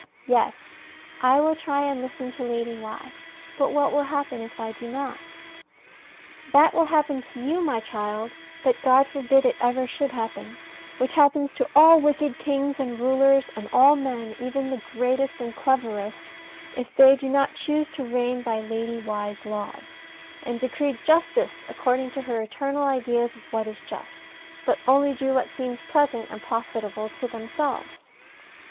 Yes, I will try and listen to Lady Why: but what will happen if I do not? That will happen to you, my child but God forbid it ever should happen which happens to wicked kings and rulers, and all men, even the greatest and cleverest, if they do not choose to reign by Lady Why's laws, and decree justice according to her eternal ideas of what is just, but only do what seems pleasant and profitable to themselves.